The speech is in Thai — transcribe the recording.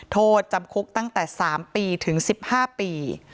โทษจำคุกตั้งแต่๓ปีถึง๑๕ปี